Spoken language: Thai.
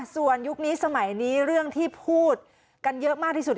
ส่วนยุคนี้สมัยนี้เรื่องที่พูดกันเยอะมากที่สุด